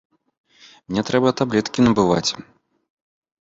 Мне трэба таблеткі набываць.